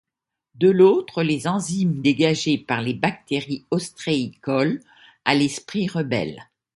De l’autre les enzymes dégagées par les bactéries ostréicoles à l’esprit rebelle.